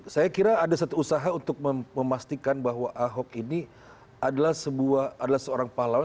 saya kira ada satu usaha untuk memastikan bahwa ahok ini adalah seorang pahlawan